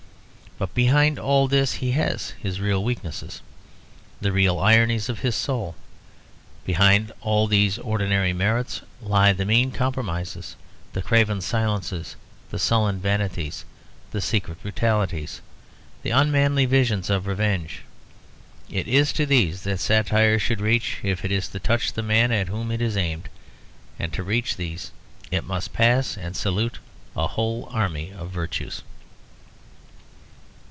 But behind all this he has his real weaknesses, the real ironies of his soul: behind all these ordinary merits lie the mean compromises, the craven silences, the sullen vanities, the secret brutalities, the unmanly visions of revenge. It is to these that satire should reach if it is to touch the man at whom it is aimed. And to reach these it must pass and salute a whole army of virtues.